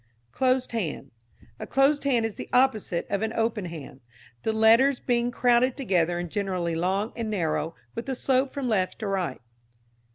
Closed Hand. A closed hand is the opposite of an open hand, the letters being crowded together and generally long and narrow, with the slope from left to right.